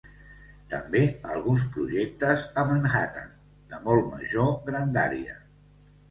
També alguns projectes a Manhattan, de molt major grandària.